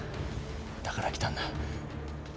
だから来たんだ。